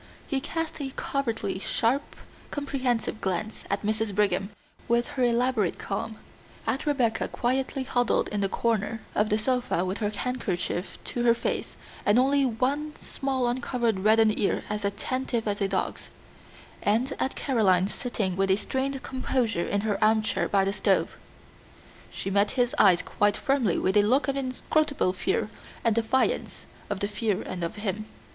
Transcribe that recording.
He cast a covertly sharp, comprehensive glance at Mrs. Brigham with her elaborate calm; at Rebecca quietly huddled in the corner of the sofa with her handkerchief to her face and only one small uncovered reddened ear as attentive as a dog's, and at Caroline sitting with a strained composure in her armchair by the stove. She met his eyes quite firmly with a look of inscrutable fear, and defiance of the fear and of him.